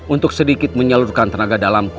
untuk sedikit menyalurkan tenaga dalam